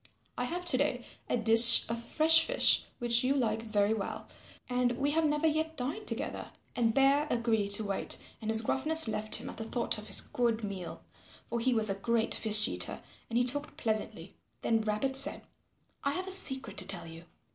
I have to day a dish of fresh fish which you like very well, and we have never yet dined together." And Bear agreed to wait and his gruffness left him at the thought of his good meal, for he was a great fish eater, and he talked pleasantly. Then Rabbit said, "I have a secret to tell you.